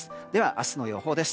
明日の予報です。